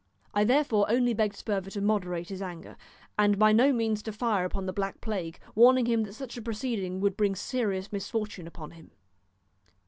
I therefore only begged Sperver to moderate his anger, and by no means to fire upon the Black Plague, warning him that such a proceeding would bring serious misfortune upon him.